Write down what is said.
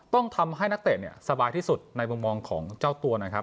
ต้องทำให้นักเตะเนี่ยสบายที่สุดในมุมมองของเจ้าตัวนะครับ